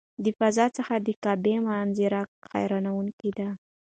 د فضا څخه د کعبې منظره حیرانوونکې ده.